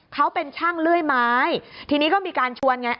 เขาเป็นช่างเลื่อยไม้ทีนี้ก็มีการชวนไง